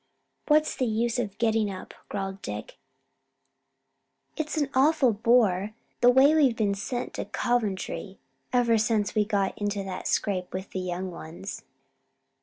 "What's the use of getting up?" growled Dick, "it's an awful bore, the way we've been sent to Coventry ever since we got into that scrape with the young ones.